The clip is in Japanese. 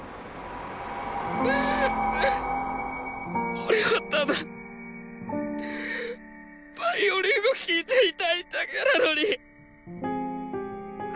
俺はただヴァイオリンを弾いていたいだけなのに！